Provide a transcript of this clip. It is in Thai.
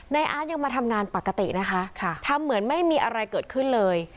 อาร์ตยังมาทำงานปกตินะคะทำเหมือนไม่มีอะไรเกิดขึ้นเลย